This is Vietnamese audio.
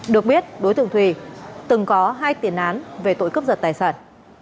được biết đối tượng thùy từng có hai tiền án về tội cướp giật tài sản